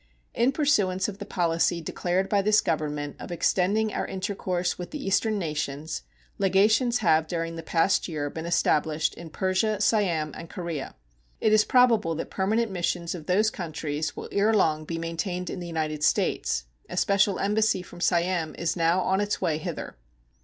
In pursuance of the policy declared by this Government of extending our intercourse with the Eastern nations, legations have during the past year been established in Persia, Siam, and Korea. It is probable that permanent missions of those countries will ere long be maintained in the United States. A special embassy from Siam is now on its way hither.